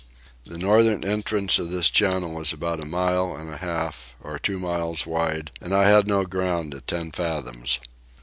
The northern entrance of this channel is about a mile and a half or two miles wide and I had no ground at ten fathoms.